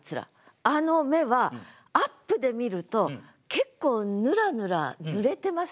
あの目はアップで見ると結構ぬらぬら濡れてません？